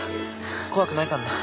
怖くないからな。